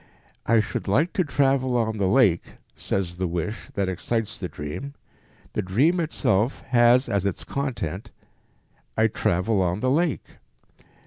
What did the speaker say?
"I should like to travel on the lake," says the wish that excites the dream; the dream itself has as its content "I travel on the lake."